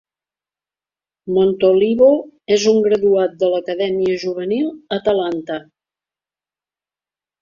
Montolivo és un graduat de l'acadèmia juvenil Atalanta.